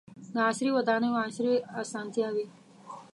• د عصري ودانیو عصري اسانتیاوې.